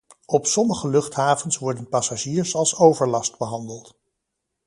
Op sommige luchthavens worden passagiers als overlast behandeld.